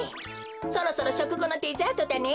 そろそろしょくごのデザートだね。